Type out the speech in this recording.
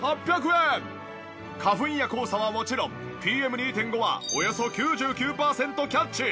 花粉や黄砂はもちろんＰＭ２．５はおよそ９９パーセントキャッチ。